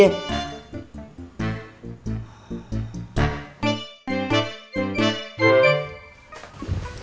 oh mendadak sih kang